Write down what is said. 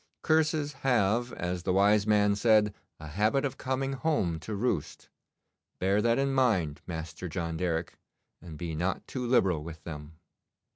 Curses have, as the wise man said, a habit of coming home to roost. Bear that in mind, Master John Derrick, and be not too liberal with them.